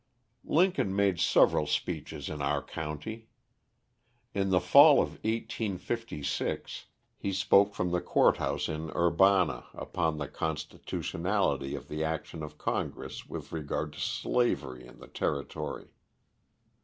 Lincoln made several speeches in our county. In the Fall of 1856, he spoke from the court house in Urbana, upon the constitutionality of the action of Congress with regard to slavery in the territory.